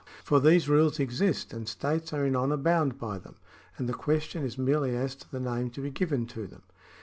For these rules exist, and states are in honour bound by them, and the question is merely as to the name to be given to them.